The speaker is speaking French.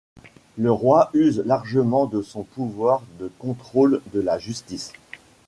Le roi use largement de son pouvoir de contrôle de la justice.